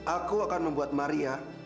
aku akan membuat maria